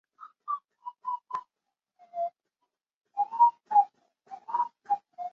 该商场由杨忠礼集团共构。